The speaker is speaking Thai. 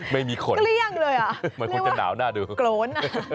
เกลี้ยงเลยอย่างเดียวว่ากล้น